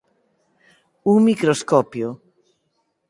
Un microscopio.